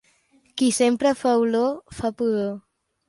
Qui sempre fa olor, fa pudor.